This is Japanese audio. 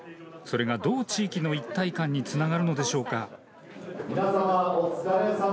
それが、どう地域の一体感につながるのでしょうか。